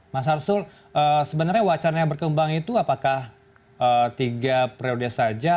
mas arsul sebenarnya wacana yang berkembang itu apakah tiga periode saja